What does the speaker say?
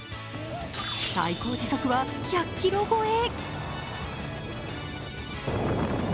最高時速は１００キロ超え。